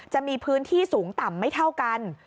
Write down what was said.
จะมีพื้นที่สูงต่ำไม่เท่ากัน